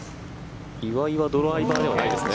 岩井はドライバーではないですね。